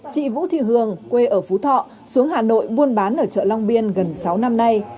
chị vũ thị hường quê ở phú thọ xuống hà nội buôn bán ở chợ long biên gần sáu năm nay